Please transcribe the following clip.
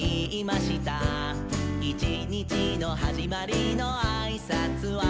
「いちにちのはじまりのあいさつは」